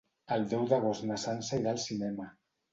El deu d'agost na Sança irà al cinema.